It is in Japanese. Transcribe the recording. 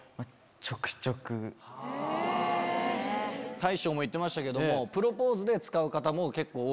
大将も言ってましたけども。